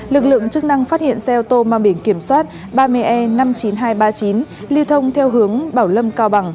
lực lượng chức năng phát hiện xe ô tô mang biển kiểm soát ba mươi e năm mươi chín nghìn hai trăm ba mươi chín lưu thông theo hướng bảo lâm cao bằng